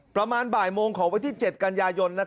ประมาณบ่ายโมงของวันที่๗กันยายน